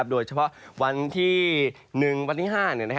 โดยเฉพาะวันที่๑วันที่๕